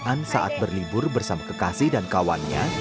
keagaan saat berlibur bersama kekasih dan kawannya